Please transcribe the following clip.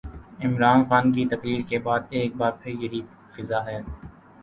عمران خان کی تقریر کے بعد ایک بار پھر یہی فضا ہے۔